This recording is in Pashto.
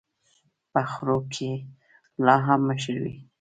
په خرو کي لا هم مشر وي.